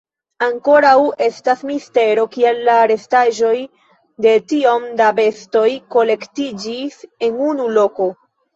Ankoraŭ estas mistero kiel la restaĵoj de tiom da bestoj kolektiĝis en unu loko.